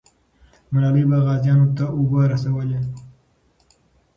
ملالۍ به غازیانو ته اوبه رسولې.